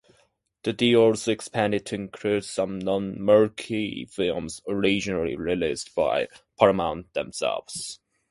The deal also expanded to include some non-marquee films originally released by Paramount themselves.